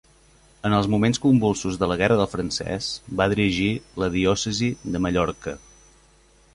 En els moments convulsos de la Guerra del Francès, va dirigir la Diòcesi de Mallorca.